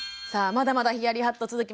まだまだヒヤリハット続きます。